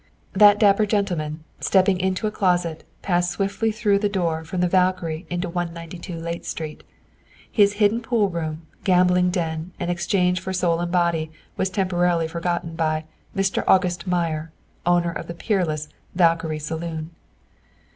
That dapper gentleman, stepping into a closet, passed swiftly through the door from the Valkyrie into 192 Layte Street. His hidden pool room, gambling den and exchange for soul and body was temporarily forgotten by "Mr. August Meyer," owner of the peerless "Valkyrie Saloon."